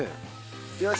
よし！